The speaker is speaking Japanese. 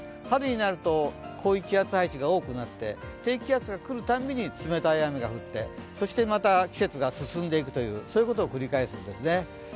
春になるとこういう気圧配置が多くなって低気圧が来るたびに冷たい雨が降ってそしてまた季節が進んでいくということを繰り返すんですね。